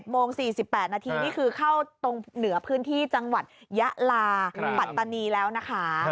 โมง๔๘นาทีนี่คือเข้าตรงเหนือพื้นที่จังหวัดยะลาปัตตานีแล้วนะคะ